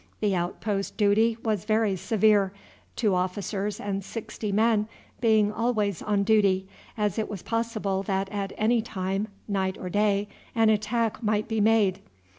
The outpost duty was very severe, two officers and sixty five men being always on duty, as it was possible that at any time, night or day, an attack might be made.